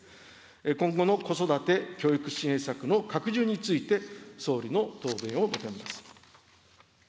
今後の子育て・教育支援策の拡充について、総理の答弁を求めます。